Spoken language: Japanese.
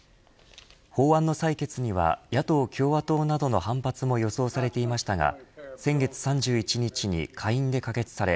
法案の採決には野党・共和党などの反発も予想されていましたが先月３１日に下院で可決され